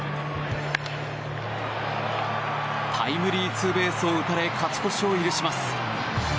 タイムリーツーベースを打たれ勝ち越しを許します。